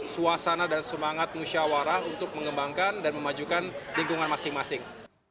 suasana dan semangat musyawarah untuk mengembangkan dan memajukan lingkungan masing masing